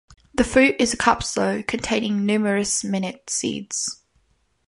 The fruit is a capsule containing numerous minute seeds.